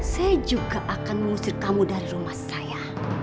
saya juga akan mengusir kamu dari rumah saya